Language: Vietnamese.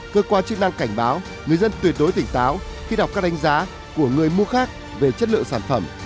cơ quan chức năng cảnh báo người dân tuyệt đối tỉnh táo khi đọc các đánh giá của người mua khác về chất lượng sản phẩm